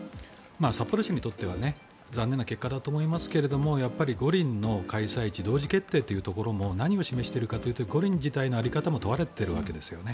札幌市にとっては残念な結果だと思いますが五輪の開催地同時決定というところが何を示しているかというと五輪自体の在り方も問われているわけですよね。